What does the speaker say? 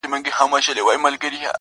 o چي لو کونه وينې، ځيني تښته!